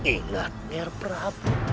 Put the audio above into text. ingat ger prabu